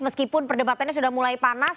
meskipun perdebatannya sudah mulai panas